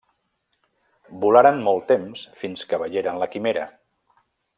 Volaren molt temps fins que veieren la Quimera.